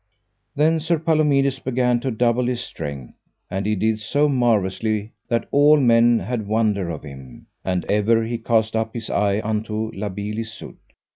Then Sir Palomides began to double his strength, and he did so marvellously that all men had wonder of him, and ever he cast up his eye unto La Beale Isoud.